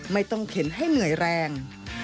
ไม่ต้องเข็นให้เหนื่อยแรง